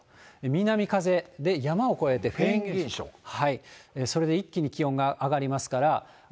南風、山を越えてフェーン現象、それで一気に気温が上がりますから。